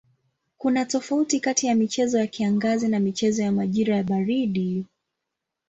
Kuna tofauti kati ya michezo ya kiangazi na michezo ya majira ya baridi.